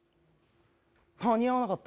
間に合わなかった。